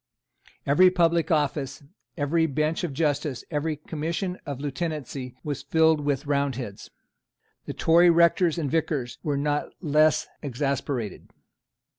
Every public office, every bench of justice, every commission of Lieutenancy, was filled with Roundheads. The Tory rectors and vicars were not less exasperated.